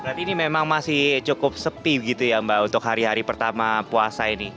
berarti ini memang masih cukup sepi gitu ya mbak untuk hari hari pertama puasa ini